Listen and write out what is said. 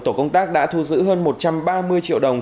tổ công tác đã thu giữ hơn một trăm ba mươi triệu đồng